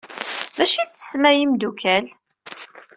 D acu i tettessem ay imdukal?